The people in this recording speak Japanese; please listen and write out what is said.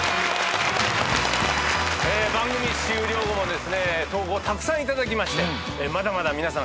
番組終了後もですね投稿たくさん頂きましてまだまだ皆さん